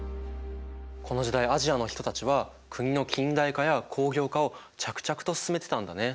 この時代アジアの人たちは国の近代化や工業化を着々と進めてたんだね。